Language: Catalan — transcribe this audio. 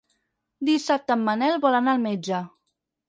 Dissabte en Manel vol anar al metge.